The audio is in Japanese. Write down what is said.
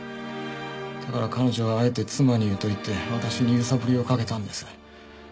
だから彼女はあえて妻に言うと言って私に揺さぶりをかけたんです。